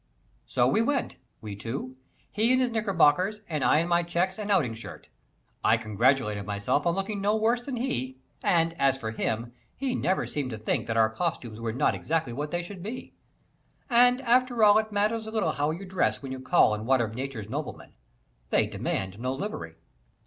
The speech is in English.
So we went we two he in his knickerbockers and I in my checks and outing shirt. I congratulated myself on looking no worse than he, and as for him, he never seemed to think that our costumes were not exactly what they should be; and after all it matters little how you dress when you call on one of Nature's noblemen they demand no livery.